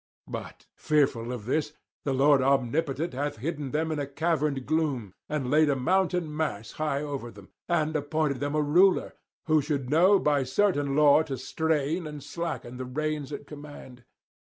But, fearful of this, the lord omnipotent hath hidden them in caverned gloom, and laid a mountain mass high over them, and appointed them a ruler, who should know by certain law to strain and slacken the reins at command.